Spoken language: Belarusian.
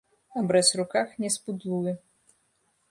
Абрэз у руках не спудлуе.